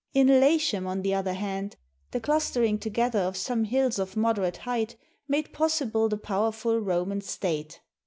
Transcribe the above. In Latium, on the other hand, the clustering together of some hills of moderate height made possible the power ful Roman state.